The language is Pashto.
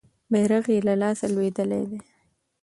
بیرغ یې له لاسه لویدلی دی.